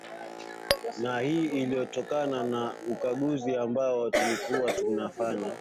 na hii ilitokana na ukaguzi ambao tulikuwa tumefanya